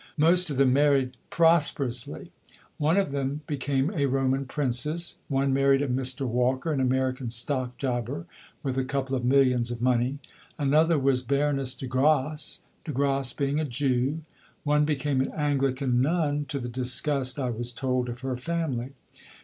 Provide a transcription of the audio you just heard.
Most of them married prosperously. One of them became a Roman princess; one married a Mr. Walker, an American stock jobber (with a couple of millions of money); another was Baroness de Grass De Grass being a Jew; one became an Anglican nun to the disgust (I was told) of her family.